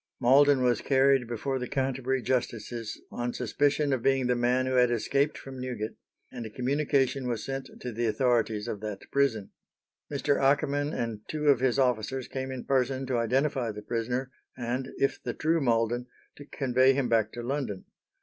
Malden was carried before the Canterbury justices on suspicion of being the man who had escaped from Newgate, and a communication was sent to the authorities of that prison. Mr. Akerman and two of his officers came in person to identify the prisoner, and, if the true Malden, to convey him back to London.